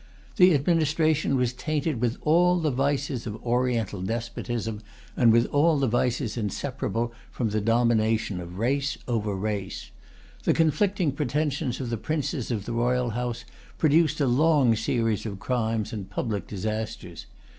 The administration was tainted with all the vices of Oriental despotism, and with all the vices inseparable from the domination of race over race. The conflicting pretensions of the princes of the royal house produced a long series of crimes and public disasters.